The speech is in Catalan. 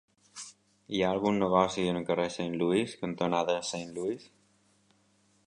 Hi ha algun negoci al carrer Saint Louis cantonada Saint Louis?